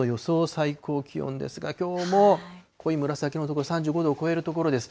最高気温ですが、きょうも濃い紫の所、３５度を超える所です。